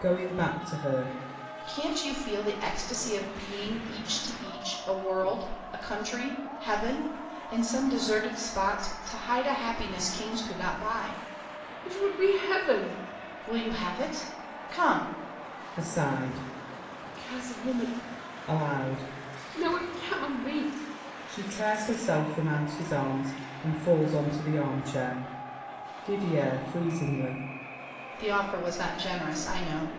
[Going back to her. Can't you feel The ecstasy of being, each to each, a world, A country, heaven; in some deserted spot To hide a happiness kings could not buy. MARION. It would be heaven! DIDIER. Will you have it? Come! MARION. [Aside.] Accursed woman! [Aloud.] No, it cannot be. [She tears herself from out his arms, and falls on the armchair. DIDIER (freezingly). The offer was not generous, I know.